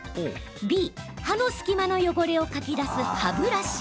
Ｂ・歯の隙間の汚れをかき出す歯ブラシ。